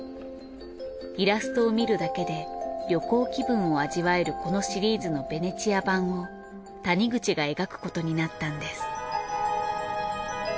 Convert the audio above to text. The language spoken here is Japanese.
イラストを見るだけで旅行気分を味わえるこのシリーズのヴェネチア版を谷口が描くことになったんです。